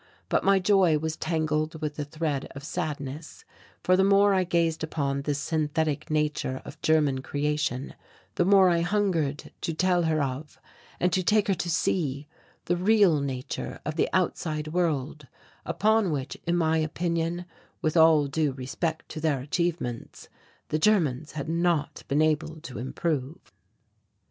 But my joy was tangled with a thread of sadness for the more I gazed upon this synthetic nature of German creation the more I hungered to tell her of, and to take her to see, the real Nature of the outside world upon which, in my opinion, with all due respect to their achievements, the Germans had not been able to improve.